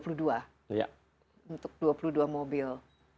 untuk dua puluh dua mobil